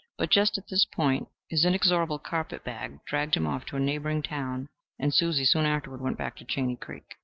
But just at this point his inexorable carpet bag dragged him off to a neighboring town, and Susie soon afterward went back to Chaney Creek.